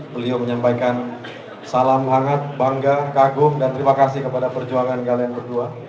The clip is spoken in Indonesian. beliau menyampaikan salam hangat bangga kagum dan terima kasih kepada perjuangan kalian berdua